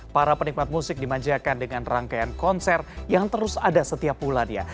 para penikmat musik dimanjakan dengan rangkaian konser yang terus ada setiap bulannya